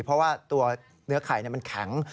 เพราะว่าตัวเนื้อไข่มันแข็ง